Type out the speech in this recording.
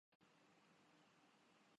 Americas